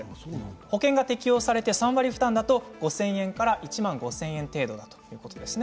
保険が適用されて３割負担だと５０００円から１万５０００円程度ということです。